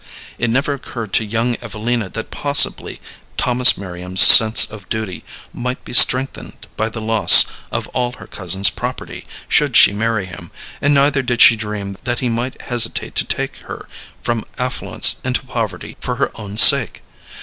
It never occurred to young Evelina that possibly Thomas Merriam's sense of duty might be strengthened by the loss of all her cousin's property should she marry him, and neither did she dream that he might hesitate to take her from affluence into poverty for her own sake.